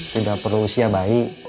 tidak perlu usia bayi